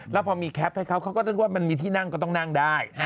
แล้วพอมีแนะนำให้เขาก็ต้องว่ามันมีที่นั่งก็นั่งได้